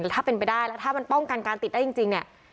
ถ้าเป็นไปได้แล้วถ้ามันป้องกันการติดได้จริงเนี่ย